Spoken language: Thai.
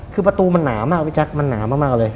คือประตูมันหนามากพี่แจ๊คมันหนามากเลย